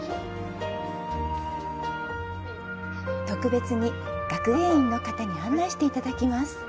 特別に学芸員の方に案内していただきます。